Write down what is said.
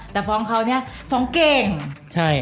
แต่ฟ้องเขาเนี่ยฟ้องเก่งใช่